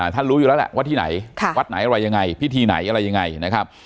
ท่านรู้อยู่แล้วแหละว่าที่ไหนวัดไหนอะไรยังไงพิธีไหนอะไรยังไงนะครับ